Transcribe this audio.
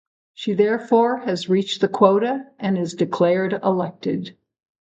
She therefore has reached the quota and is declared elected.